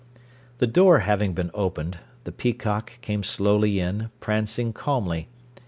The door having been opened, the peacock came slowly in, prancing calmly.